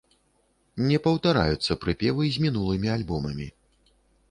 Не паўтараюцца прыпевы з мінулымі альбомамі.